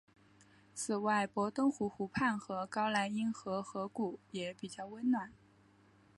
此外博登湖湖畔和高莱茵河河谷也比较温暖。